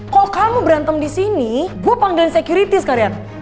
kalo kamu berantem di sini gue panggilin sekuriti sekalian